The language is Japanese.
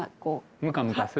むかむかする？